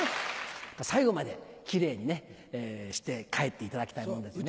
最後までキレイにして帰っていただきたいものですね。